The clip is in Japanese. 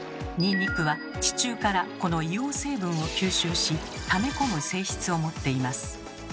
ニンニクは地中からこの硫黄成分を吸収しため込む性質を持っています。